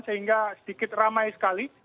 sehingga sedikit ramai sekali